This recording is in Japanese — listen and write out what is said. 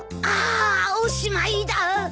あおしまいだ。